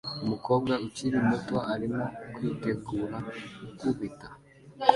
Umukobwa ukiri muto arimo kwitegura gukubita